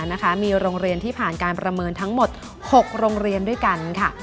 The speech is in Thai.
นะคะมีโรงเรียนที่ผ่านการประเมินทั้งหมด๖โรงเรียนด้วยกันค่ะ